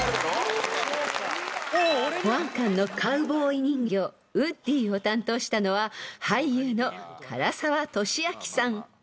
［保安官のカウボーイ人形ウッディを担当したのは俳優の唐沢寿明さん］